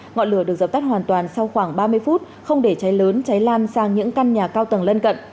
ngọn lửa được dập tắt hoàn toàn sau khoảng ba mươi phút không để cháy lớn cháy lan sang những căn nhà cao tầng lân cận